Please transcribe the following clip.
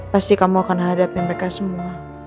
pasti kamu akan hadapi mereka semua